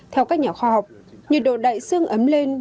theo các nhà khoa học nhiệt độ đại dương ấm lên